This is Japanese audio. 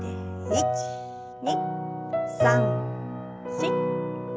１２３４。